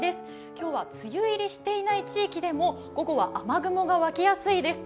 今日は梅雨入りしていない地域でも午後は雨雲が湧きやすいです。